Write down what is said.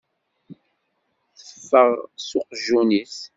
Teffeɣ s uqjun-is.